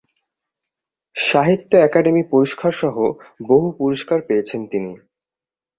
সাহিত্য অকাদেমি পুরস্কারসহ বহু পুরস্কার পেয়েছেন তিনি।